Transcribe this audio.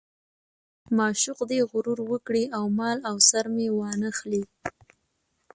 معشوق دې غرور وکړي او مال او سر مې وانه خلي.